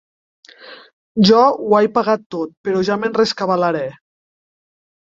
Jo ho he pagat tot, però ja me'n rescabalaré.